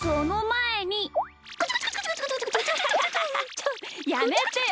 ちょっやめてよ。